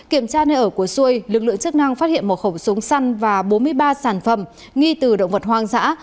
kiểm tra nơi ở của xuôi lực lượng chức năng phát hiện một khẩu súng săn và bốn mươi ba sản phẩm nghi từ động vật hoang dã